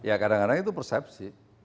ya kadang kadang itu persepsi